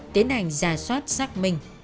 tiến hành giả soát xác minh